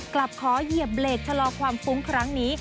กลับขอเหยียบเบรกชะลอความฟุ้งครั้งนี้